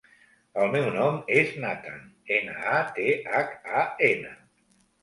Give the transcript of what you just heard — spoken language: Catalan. El meu nom és Nathan: ena, a, te, hac, a, ena.